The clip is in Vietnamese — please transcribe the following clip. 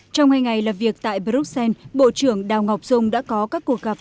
trong hai ngày làm việc tại bruxelles bộ trưởng đào ngọc dung đã có các cuộc gặp